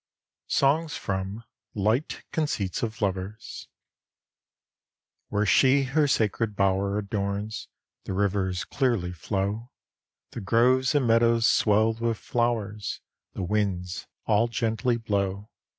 SONGS FROM 'LIGHT CONCEITS OF LOVERS' Where shee her sacred bowre adornes, The Rivers clearely flow; The groves and medowes swell with flowres, The windes all gently blow.